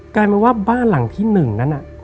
กลายเป็นว่าบ้านหลังที่๑นั้น